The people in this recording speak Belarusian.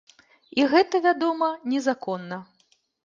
І гэта, вядома, незаконна.